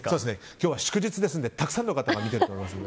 今日は祝日ですのでたくさんの方が見てると思います。